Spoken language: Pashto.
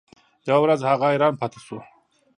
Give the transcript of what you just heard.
یوه ورځ هغه حیران پاتې شو.